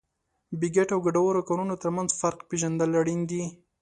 بې ګټې او ګټورو کارونو ترمنځ فرق پېژندل اړین دي.